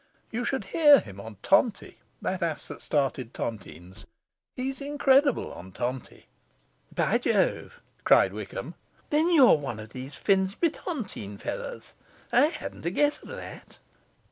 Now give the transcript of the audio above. You should hear him on Tonti, the ass that started tontines. He's incredible on Tonti.' 'By Jove!' cried Wickham, 'then you're one of these Finsbury tontine fellows. I hadn't a guess of that.